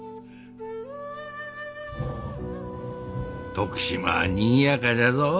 徳島はにぎやかじゃぞ。